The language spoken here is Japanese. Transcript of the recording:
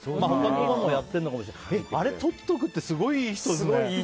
今もやってるのかもしれないけどあれをとっておくってすごい、いい人だね。